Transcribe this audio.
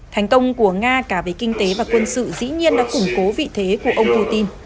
thành công của nga cả về kinh tế và quân sự dĩ nhiên đã củng cố vị thế của ông putin